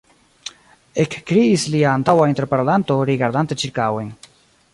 ekkriis lia antaŭa interparolanto, rigardante ĉirkaŭen.